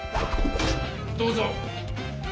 どうぞ！